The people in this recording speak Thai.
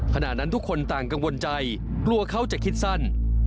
ขณะนั้นทุกคนต่างกังวลใจกลัวเขาจะคิดสั้น